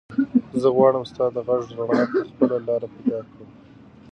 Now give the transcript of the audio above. زه غواړم ستا د غږ رڼا ته خپله لاره پیدا کړم.